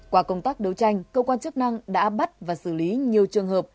qua công tác đấu tranh cơ quan chức năng đã bắt và xử lý nhiều trường hợp